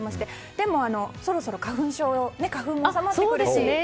でも、そろそろ花粉症花粉も収まってくるし。